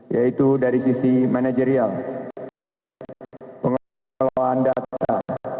yaitu dari sisi manajerial pengelolaan data